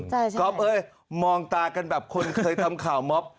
ใช่สิก๊อฟเอ้ยมองตากันแบบคนเคยทำข่าวม็อบ